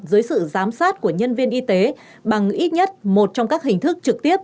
dưới sự giám sát của nhân viên y tế bằng ít nhất một trong các hình thức trực tiếp